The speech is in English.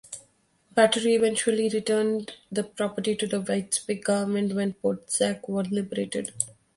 Batory eventually returned the property to the Vitebsk government when Polatsk was liberated.